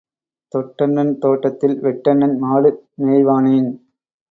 தொட்டண்ணன் தோட்டத்தில் வெட்டண்ணன் மாடு மேய்வானேன்?